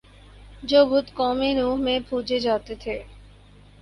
جو بت قوم نوح میں پوجے جاتے تھے